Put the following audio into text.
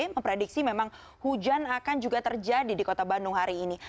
memprediksi memang hujan akan juga terjadi di kota bandung hari ini